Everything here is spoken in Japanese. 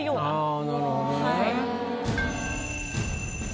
ああなるほどね。